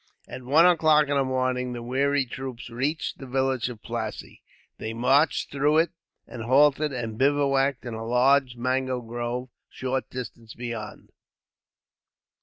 At one o'clock in the morning, the weary troops reached the village of Plassey. They marched through it, and halted and bivouacked in a large mango grove, a short distance beyond.